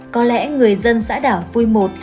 có lẽ người dân xã đảo vui một